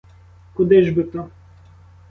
Куди ж би то?